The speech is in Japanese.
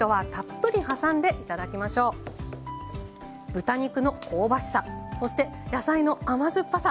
豚肉の香ばしさそして野菜の甘酸っぱさ